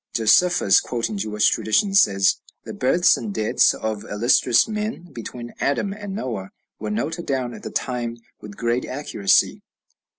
Josephus, quoting Jewish traditions, says, "The births and deaths of illustrious men, between Adam and Noah, were noted down at the time with great accuracy."